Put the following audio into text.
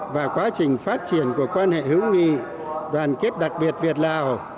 và quá trình phát triển của quan hệ hữu nghị đoàn kết đặc biệt việt lào